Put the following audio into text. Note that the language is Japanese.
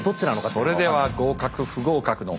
それでは合格不合格の発表